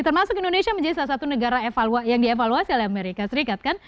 termasuk indonesia menjadi salah satu negara yang dievaluasi oleh amerika serikat kan